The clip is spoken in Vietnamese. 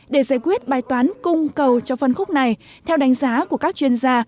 để giải quyết bài toán cung cầu cho phân khúc này theo đánh giá của các chuyên gia